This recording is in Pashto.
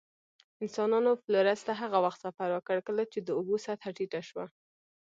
انسانانو فلورس ته هغه وخت سفر وکړ، کله چې د اوبو سطحه ټیټه شوه.